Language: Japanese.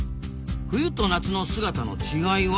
「冬と夏の姿の違いは？」。